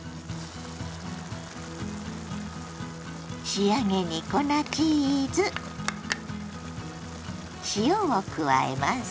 仕上げに粉チーズ塩を加えます。